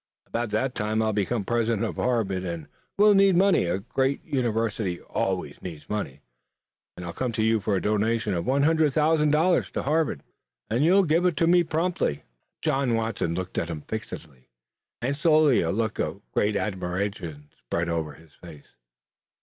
About that time I'll become president of Harvard, and we'll need money a great university always needs money and I'll come to you for a donation of one hundred thousand dollars to Harvard, and you'll give it to me promptly." John Watson looked at him fixedly, and slowly a look of great admiration spread over his face.